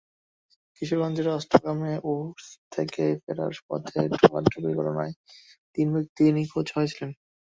কিশোরগঞ্জের অষ্টগ্রামে ওরস থেকে ফেরার পথে ট্রলারডুবির ঘটনায় তিন ব্যক্তি নিখোঁজ হয়েছেন।